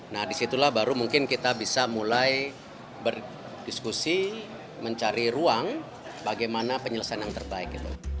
nah disitulah baru mungkin kita bisa mulai berdiskusi mencari ruang bagaimana penyelesaian yang terbaik